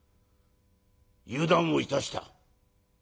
油断をいたした。